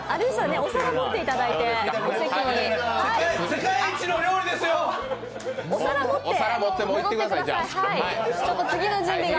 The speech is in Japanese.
お皿持っていただいて、お席に。